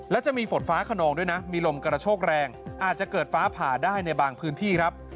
และจะมีฝนฟ้าขนองด้วยนะมีลมกระโชกแรงอาจจะเกิดฟ้าผ่าได้ในบางพื้นที่ครับ